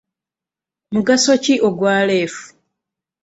Mugaso ki ogwa leefu?